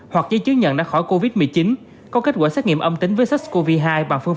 hoặc giấy chứng nhận đã khỏi covid một mươi chín có kết quả xét nghiệm âm tính với sars cov hai bằng phương